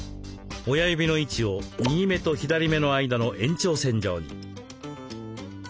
親指の位置を右目と左目の間の延長線上に。